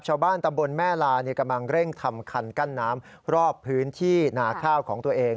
ชาวบ้านตำบลแม่ลากำลังเร่งทำคันกั้นน้ำรอบพื้นที่นาข้าวของตัวเอง